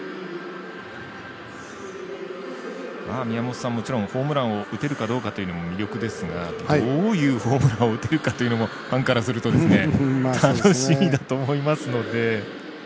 宮本さん、もちろんホームラン打てるかどうかというのも魅力ですがどういうホームランを打てるかというのもファンからすると楽しみだと思いますので。